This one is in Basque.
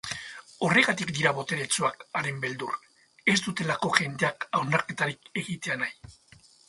Horregatik dira boteretsuak haren beldur, ez dutelako jendeak hausnarketarik egitea nahi.